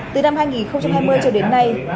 từ năm hai nghìn hai mươi cho đến nay